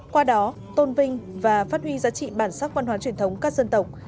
qua đó tôn vinh và phát huy giá trị bản sắc văn hóa truyền thống các dân tộc